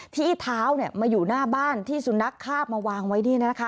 ที่เท้ามาอยู่หน้าบ้านที่สุนัขคาบมาวางไว้